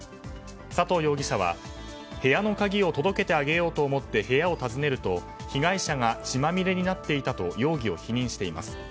佐藤容疑者は、部屋の鍵を届けてあげようと思って部屋を訪ねると被害者が血まみれになっていたと容疑を否認しています。